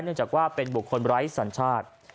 จากว่าเป็นบุคคลไร้สัญชาติ